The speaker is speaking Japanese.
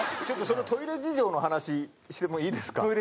ちょっとトイレ事情の話してもいいですか？